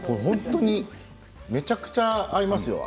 めちゃくちゃ合いますよ。